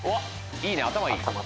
いいね頭いい足